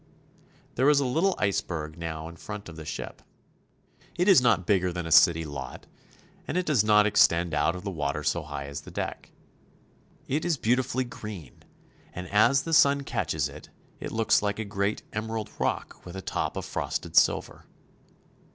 There is a little iceberg now in front of the ship. It is not bigger than a city lot, and it does not extend out of the water so high as the deck. It is beautifully green, and as the sun catches it it looks like a great emerald rock with a top of frosted silver.